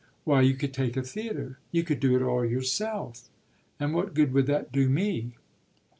"Why you could take a theatre. You could do it all yourself." "And what good would that do me?"